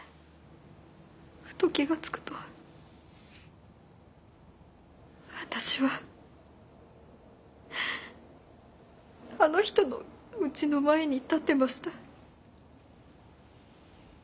ふと気が付くと私はあの人のうちの前に立ってました。